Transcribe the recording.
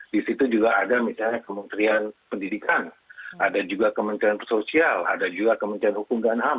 di situ juga ada misalnya kementerian pendidikan ada juga kementerian sosial ada juga kementerian hukum dan ham